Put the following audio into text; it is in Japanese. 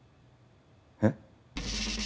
えっ？